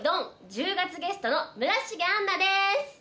１０がつゲストの村重杏奈です。